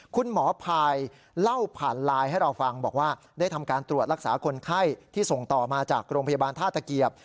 คุณหมอพายเล่าผ่านไลน์ให้เราฟังบอกว่าได้ทำการตรวจรักษาคนไข้ที่ส่งต่อมาจากโรงพยาบาลท่าตะเกียบ